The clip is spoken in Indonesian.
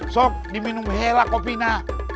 sok diminum helah kopi na